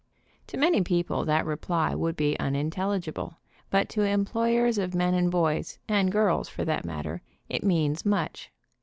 To many people that re ply would be unintelligible, but to employers of men and boys, and girls, for that matter, it means much.